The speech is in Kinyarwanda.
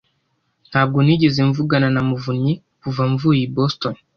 Ntabwo nigeze mvugana na Muvunnyi kuva mvuye i Boston.